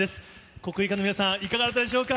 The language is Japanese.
国技館の皆さん、いかがだったでしょうか？